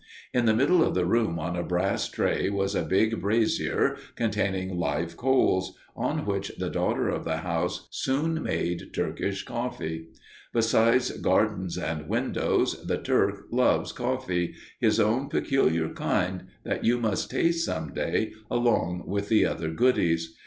In the middle of the room on a brass tray was a big brazier containing live coals, on which the daughter of the house soon made Turkish coffee. Besides gardens and windows, the Turk loves coffee his own peculiar kind that you must taste some day along with the other goodies.